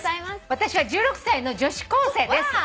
私は１６歳の女子高生です」